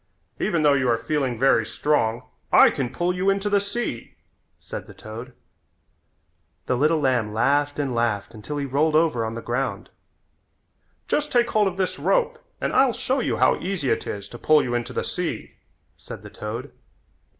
"Even though you are feeling very strong I can pull you into the sea," said the toad. The little lamb laughed and laughed until he rolled over on the ground. "Just take hold of this rope and I'll show you how easy it is to pull you into the sea," said the toad.